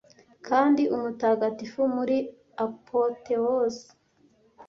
kandi umutagatifu muri apotheose